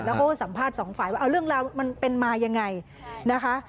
แล้วก็สัมภาษณ์สองฝ่ายว่าเอาเรื่องราวมันเป็นมายังไงนะคะ